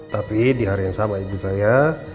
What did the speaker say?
tapi di hari yang sama ibu saya